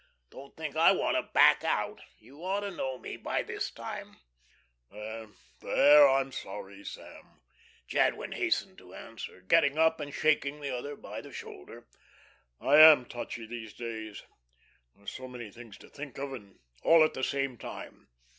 Don't think I want to back out. You ought to know me by this time, J." "There, there, I'm sorry, Sam," Jadwin hastened to answer, getting up and shaking the other by the shoulder. "I am touchy these days. There's so many things to think of, and all at the same time.